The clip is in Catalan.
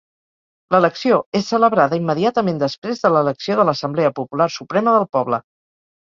L'elecció és celebrada immediatament després de l'elecció de l'Assemblea Popular Suprema del Poble.